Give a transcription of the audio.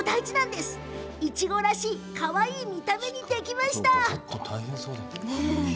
いちごらしいかわいい見た目にできました。